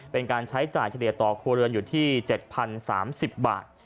เป็นการใช้จ่ายเฉลี่ยต่อครัวเรือนอยู่ที่๗๐๓๐บาท